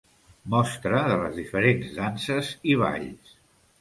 Mostra de les diferents danses i Balls.